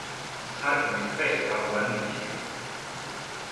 სარკმლის ქვეშ თაღოვანი ნიშია.